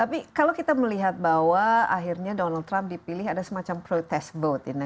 tapi kalau kita melihat bahwa akhirnya donald trump dipilih ada semacam protes vote